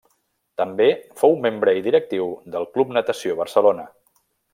També fou membre i directiu del Club Natació Barcelona.